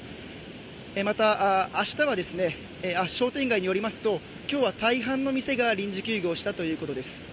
また、商店街によりますと今日は大半の店が臨時休業したということです。